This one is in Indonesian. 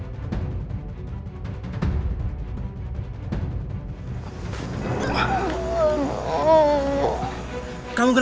kenapa kamu menangis